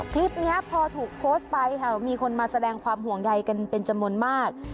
คลิปนี้พอถูกโพสต์ไปค่ะมีคนมาแสดงความห่วงใยกันเป็นจำนวนมาก